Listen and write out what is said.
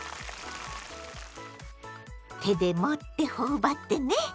手で持って頬張ってね！